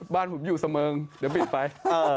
บ้านผมอยู่เสมิงเดี๋ยวบิดไป